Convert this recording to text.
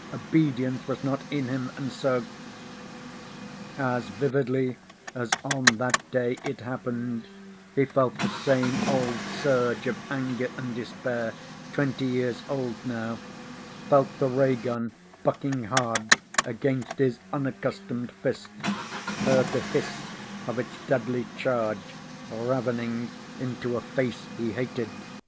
Obedience was not in him, and so As vividly as on that day it happened he felt the same old surge of anger and despair twenty years old now, felt the ray gun bucking hard against his unaccustomed fist, heard the hiss of its deadly charge ravening into a face he hated.